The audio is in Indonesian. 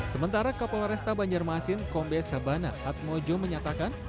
sementara kapolaresta banjarmasin kombe sabana atmojo menyatakan